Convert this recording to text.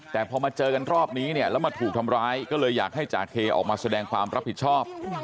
แต่พอมาเจอกันรอบนี้เนี่ยแล้วมาถูกทำร้ายก็เลยอยากให้จ่าเคออกมาแสดงความรับผิดชอบ